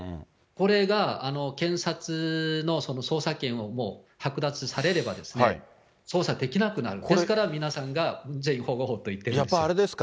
これが検察の捜査権をもう剥奪されれば、捜査できなくなる、ですから皆さんが、ムン・ジェイン保護法と言ってるんですよ。